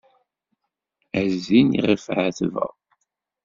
A zzin iɣef εetbeɣ.